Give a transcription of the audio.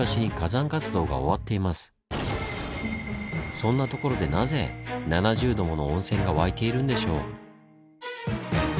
そんな所でなぜ７０度もの温泉が湧いているんでしょう？